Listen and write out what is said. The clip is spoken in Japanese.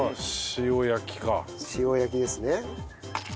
塩焼きですね。